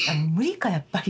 やっぱり。